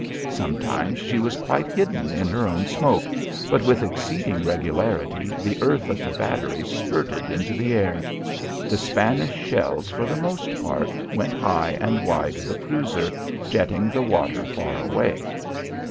Sometimes she was quite hidden in her own smoke, but with exceeding regularity the earth of the battery spurted into the air. The Spanish shells, for the most part, went high and wide of the cruiser, jetting the water far away.